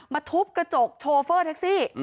ทุบกระจกโชเฟอร์แท็กซี่